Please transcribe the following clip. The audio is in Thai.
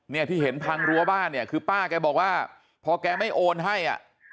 เนี่ยที่เห็นพังรั้วบ้านเนี่ยคือป้าแกบอกว่าพอแกไม่โอนให้อ่ะ